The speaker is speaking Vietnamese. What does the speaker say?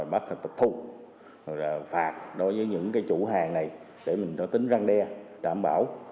bắt thịt thù phạt đối với những chủ hàng này để tính răng đe đảm bảo